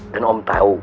dan om tau